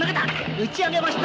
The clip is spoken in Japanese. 打ち上げました。